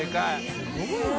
すごいな。